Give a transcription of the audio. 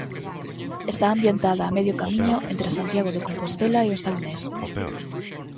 Está ambientada a medio camiño entre Santiago de Compostela e o Salnés.